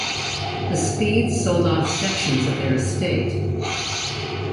The Speeds sold off sections of their estate.